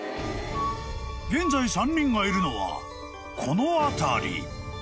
［現在３人がいるのはこの辺り］